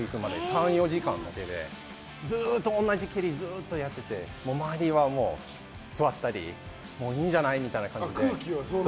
３４時間だけでずっと同じ蹴りをやってて周りは座ったりもういいんじゃない？みたいな感じで。